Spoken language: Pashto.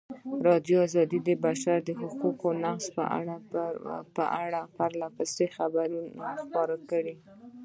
ازادي راډیو د د بشري حقونو نقض په اړه پرله پسې خبرونه خپاره کړي.